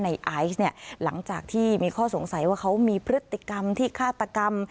ไอซ์เนี่ยหลังจากที่มีข้อสงสัยว่าเขามีพฤติกรรมที่ฆาตกรรม